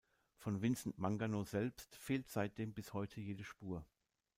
Von Vincent Mangano selbst fehlt seitdem bis heute jede Spur.